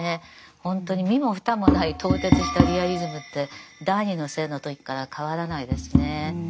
ほんとに身も蓋もない透徹したリアリズムって「第二の性」の時から変わらないですね。